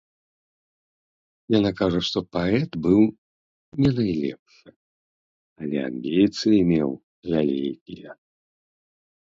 Яна кажа, што паэт быў не найлепшы, але амбіцыі меў вялікія.